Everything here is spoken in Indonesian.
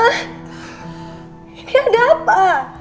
ini ada apa